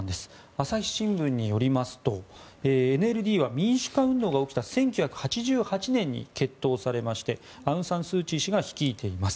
朝日新聞によりますとＮＬＤは民主化運動が起きた１９８８年に結党されましてアウンサンスーチー氏が率いています。